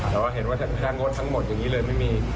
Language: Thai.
แต่ว่าเห็นว่าค่างดทั้งหมดอย่างนี้เลยไม่มี